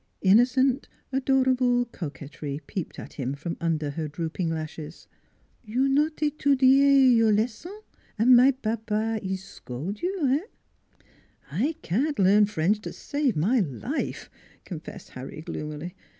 Innocent, adorable coquetry peeped at him from under her drooping lashes. " You not etudier your legon an' my papa es cold you eh? "" I can't learn French to save my life," con fessed Harry gloomily.